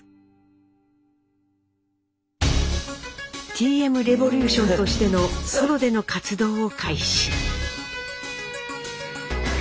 Ｔ．Ｍ．Ｒｅｖｏｌｕｔｉｏｎとしてのソロでの活動を開始。